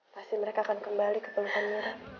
pasti mereka akan kembali ke perlukan mira